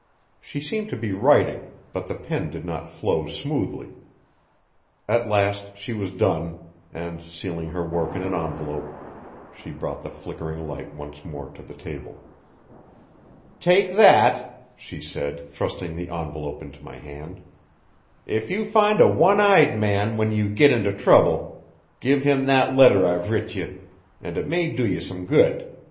She seemed to be writing, but the pen did not flow smoothly. At last she was done, and, sealing her work in an envelope, she brought the flickering light once more to the table. "Take that," she said, thrusting the envelope into my hand. "If you find a one eyed man when you git into trouble, give him that letter I've writ ye, and it may do ye some good.